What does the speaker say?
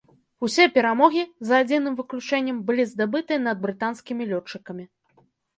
Усе перамогі, за адзіным выключэннем, былі здабытыя над брытанскімі лётчыкамі.